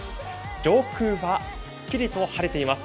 上空はすっきりと晴れています。